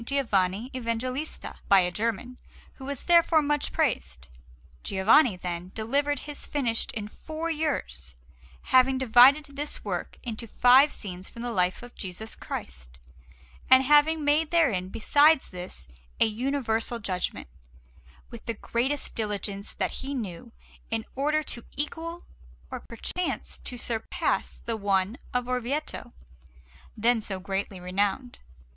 Giovanni Evangelista by a German, who was therefore much praised. Giovanni, then, delivered his finished in four years, having divided this work into five scenes from the life of Jesus Christ, and having made therein, besides this, a Universal Judgment, with the greatest diligence that he knew, in order to equal or perchance to surpass the one of Orvieto, then so greatly renowned.